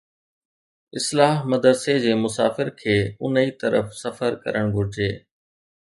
اصلاح مدرسي جي مسافر کي ان ئي طرف سفر ڪرڻ گهرجي.